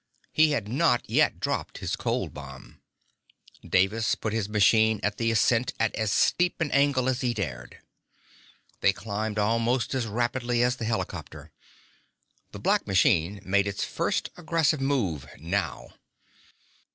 He had not yet dropped his cold bomb. Davis put his machine at the ascent at as steep an angle as he dared. They climbed almost as rapidly as the helicopter. The black machine made its first aggressive move now.